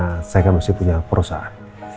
karena saya kan masih punya perusahaan